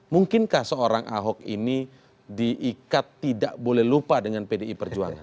mungkinkah seorang ahok ini diikat tidak boleh lupa dengan pdi perjuangan